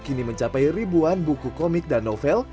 kini mencapai ribuan buku komik dan novel